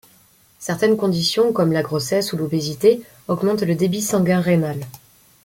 Certaines conditions, comme la grossesse ou l'obésité, augmente le débit sanguin rénal.